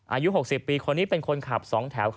อายุ๖๐ปีคนนี้เป็นคนขับ๒แถว